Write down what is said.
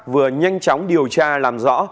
vừa nhanh chóng điều tra làm rõ